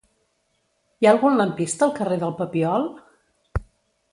Hi ha algun lampista al carrer del Papiol?